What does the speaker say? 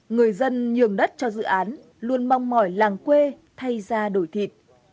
người dân nhường đất cho dự án luôn mong mỏi làng quê thay ra đổi thịt